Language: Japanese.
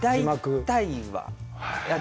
大体は。